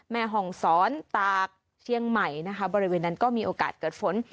ห่องศรตากเชียงใหม่นะคะบริเวณนั้นก็มีโอกาสเกิดฝน